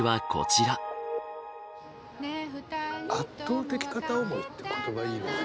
「圧倒的片思い」って言葉いいよね。